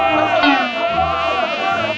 ampun ampun ampun